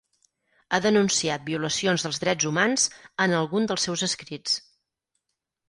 Ha denunciat violacions dels drets humans en algun dels seus escrits.